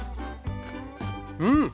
うん！